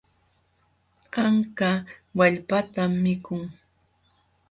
Anka wallpatan mikun.